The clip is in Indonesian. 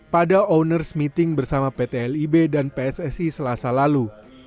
pada owners meeting bersama pt lib dan pssi selasa lalu